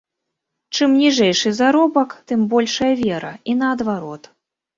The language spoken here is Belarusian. Чым ніжэйшы заробак, тым большая вера і наадварот.